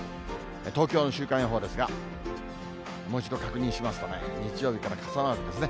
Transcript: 東京の週間予報ですが、もう一度確認しますとね、日曜日から傘マークですね。